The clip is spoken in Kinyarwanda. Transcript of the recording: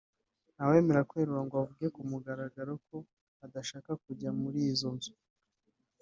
ntawemera kwerura ngo avugire ku mugaragaro ko adashaka kujya muri izo nzu